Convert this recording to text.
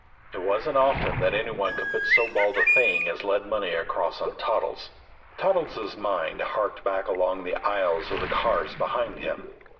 It wasn't often that any one could put so bald a thing as lead money across on Toddles. Toddles' mind harked back along the aisles of the cars behind him.